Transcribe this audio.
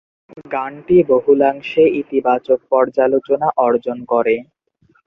গানটি বহুলাংশে ইতিবাচক পর্যালোচনা অর্জন করে।